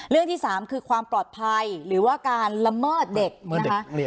ที่๓คือความปลอดภัยหรือว่าการละเมิดเด็กนะคะ